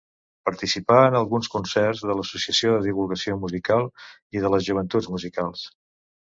Participà en alguns concerts de l’Associació de Divulgació Musical i de les Joventuts Musicals.